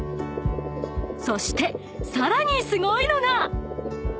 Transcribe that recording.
［そしてさらにすごいのが］